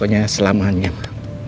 pokoknya selamanya ma